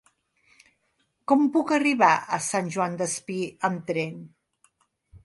Com puc arribar a Sant Joan Despí amb tren?